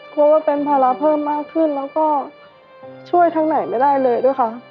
กลัวว่าเป็นภาระเพิ่มมากขึ้นแล้วก็ช่วยทางไหนไม่ได้เลยด้วยค่ะ